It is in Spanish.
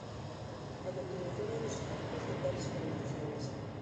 A continuación hay dos ejemplos de tales organizaciones.